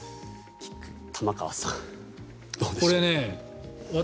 玉川さん。